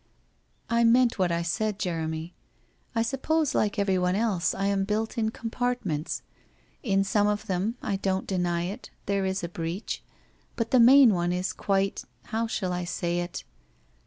* I meant what I said, Jeremy. I suppose, like every one else, I am built in compartments. In some of them, I don't deny it, there is a breach, but the main one is quite — how shall I say it?